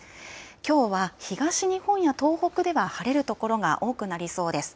きょうは東日本や東北では晴れる所が多くなりそうです。